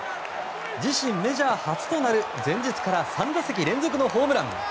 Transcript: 自身メジャー初となる前日から３打席連続のホームラン。